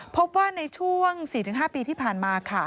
พบว่าในช่วง๔๕ปีที่ผ่านมา